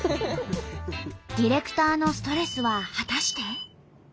ディレクターのストレスは果たして。